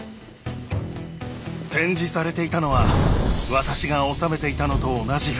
展示されていたのは私が納めていたのと同じ服。